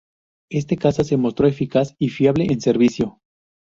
Este caza se mostró eficaz y fiable en servicio.